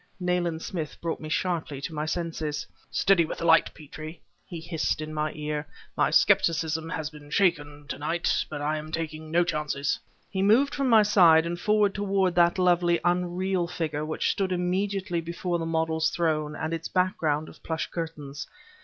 Nayland Smith brought me sharply to my senses. "Steady with the light, Petrie!" he hissed in my ear. "My skepticism has been shaken, to night, but I am taking no chances." He moved from my side and forward toward that lovely, unreal figure which stood immediately before the model's throne and its background of plush curtains.